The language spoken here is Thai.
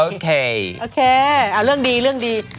โอเคเรื่องดี